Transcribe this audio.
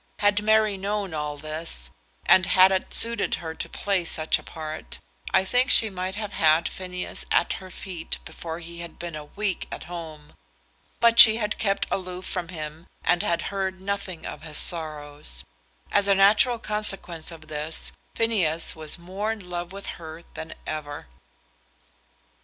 Had Mary known all this, and had it suited her to play such a part, I think she might have had Phineas at her feet before he had been a week at home. But she had kept aloof from him and had heard nothing of his sorrows. As a natural consequence of this, Phineas was more in love with her than ever.